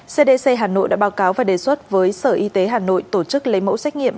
cdc hà nội đã báo cáo và đề xuất với sở y tế hà nội tổ chức lấy mẫu xét nghiệm